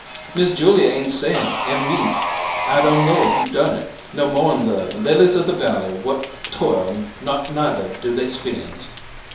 "Miss Julia ain't sayin'; an' me, I don' know who done it no mo'n the lilies of the valley whut toil not neither do they spins."